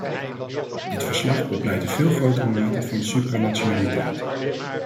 Dit verslag bepleit een veel grotere mate van supranationaliteit.